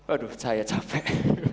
aduh saya capek